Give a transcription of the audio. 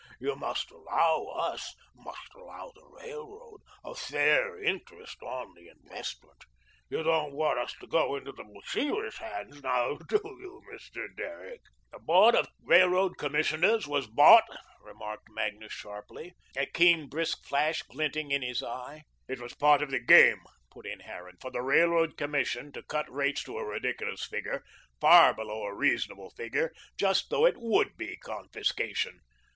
You must allow us must allow the railroad a fair interest on the investment. You don't want us to go into the receiver's hands, do you now, Mr. Derrick?" "The Board of Railroad Commissioners was bought," remarked Magnus sharply, a keen, brisk flash glinting in his eye. "It was part of the game," put in Harran, "for the Railroad Commission to cut rates to a ridiculous figure, far below a REASONABLE figure, just so that it WOULD be confiscation.